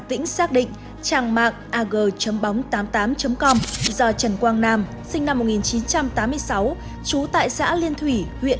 tỉnh xác định trang mạng ag bóng tám mươi tám com do trần quang nam sinh năm một nghìn chín trăm tám mươi sáu trú tại xã liên thủy huyện